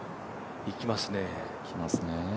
いきますね。